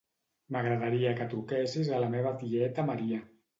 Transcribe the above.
M'agradaria que truquessis a la meva tieta Maria.